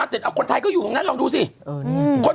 พี่เราหลุดมาไกลแล้วฝรั่งเศส